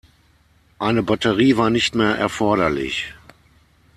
Eine Batterie war nicht mehr erforderlich.